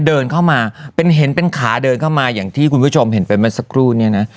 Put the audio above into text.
เดินเข้ามาเป็นเห็นเป็นขาเดินเข้ามาอย่างที่คุณผู้ชมเห็นไปเมื่อสักครู่เนี่ยนะ